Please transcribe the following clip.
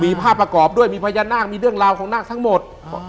มีภาพประกอบด้วยมีพญานาคมีเรื่องราวของนาคทั้งหมด